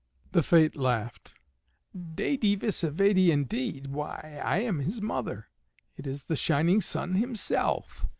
The Fate laughed. "Dède Vsévède indeed! Why, I am his mother, it is the shining sun himself.